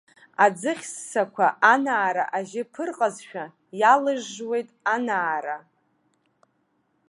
Аӡыхь ссақәа, анаара ажьы ԥырҟазшәа, иалыжжуеит анаара.